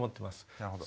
なるほど。